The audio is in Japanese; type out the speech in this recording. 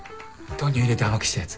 豆乳入れて甘くしたやつ。